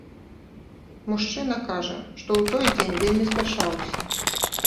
Мужчына кажа, што ў той дзень вельмі спяшаўся.